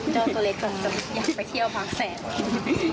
เจ้าตัวเล็กจนอยากไปเที่ยวพักแสน